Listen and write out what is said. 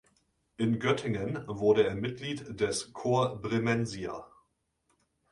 In Göttingen wurde er Mitglied des Corps Bremensia.